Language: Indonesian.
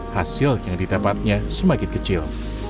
hasil yang didapatnya semakin kecil